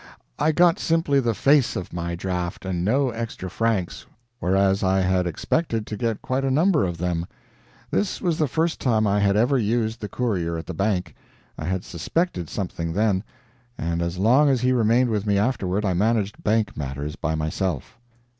I got simply the face of my draft, and no extra francs, whereas I had expected to get quite a number of them. This was the first time I had ever used the courier at the bank. I had suspected something then, and as long as he remained with me afterward I managed bank matters by myself.